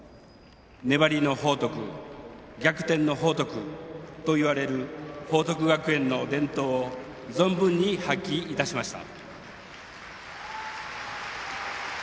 粘りの報徳逆転の報徳といわれる報徳学園の伝統を存分に発揮いたしました。